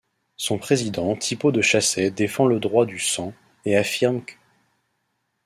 Son président Thibaut de Chassey défend le droit du sang, et affirme qu'.